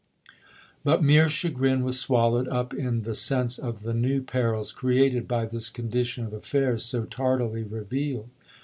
But mere chagrin was swallowed up in the sense of the new perils created by this condition of affairs so tardily revealed.